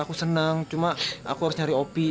aku senang cuma aku harus nyari opi